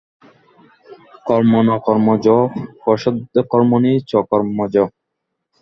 কর্মণ্যকর্ম য পশ্যেদকর্মণি চ কর্ম যঃ।